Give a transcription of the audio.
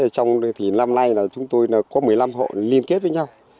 trong năm nay chúng tôi có một mươi năm hộ liên kết với nhau